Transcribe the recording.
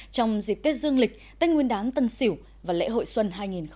trong dịp tết dương lịch tết nguyên đán tân sỉu và lễ hội xuân hai nghìn hai mươi một